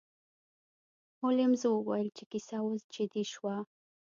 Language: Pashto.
هولمز وویل چې کیسه اوس جدي شوه.